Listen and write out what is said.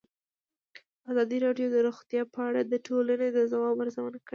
ازادي راډیو د روغتیا په اړه د ټولنې د ځواب ارزونه کړې.